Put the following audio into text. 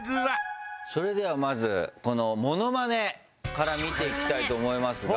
それではまずこのモノマネから見ていきたいと思いますが。